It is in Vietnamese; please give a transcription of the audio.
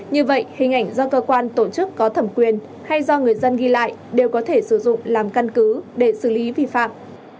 như vậy hình ảnh do cơ quan tổ chức có thẩm quyền hay do người dân ghi lại đều có thể sử dụng làm căn cứ để xử lý vi phạm